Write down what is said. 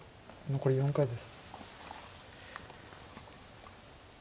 残り４回です。